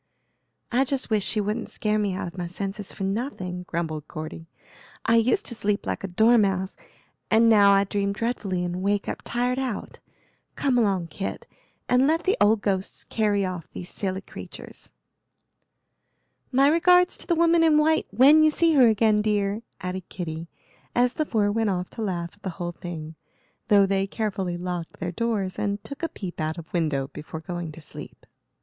"I just wish she wouldn't scare me out of my senses for nothing," grumbled Cordy; "I used to sleep like a dormouse, and now I dream dreadfully and wake up tired out. Come along, Kit, and let the old ghosts carry off these silly creatures." "My regards to the Woman in White when you see her again, dear," added Kitty, as the four went off to laugh at the whole thing, though they carefully locked their doors and took a peep out of window before going to sleep.